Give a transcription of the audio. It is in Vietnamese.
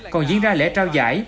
còn diễn ra lễ trao giải